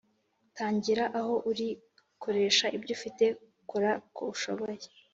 “tangira aho uri. koresha ibyo ufite. kora uko ushoboye. ”